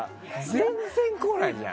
全然来ないじゃん。